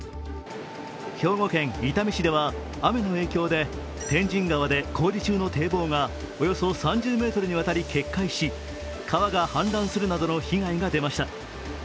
兵庫県伊丹市では雨の影響で天神川で工事中の堤防が工事中の堤防がおよそ３０ｍにわたり決壊し川が氾濫するなどの被害が出ました。